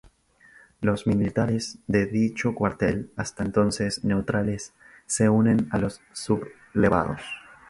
Los militares de dicho cuartel, hasta entonces neutrales, se unen a los sublevados.